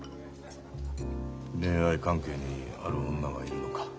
恋愛関係にある女がいるのか？